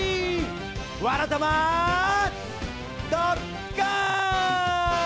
「わらたまドッカン」！